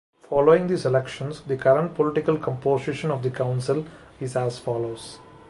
Following these elections the current political composition of the council is as follows.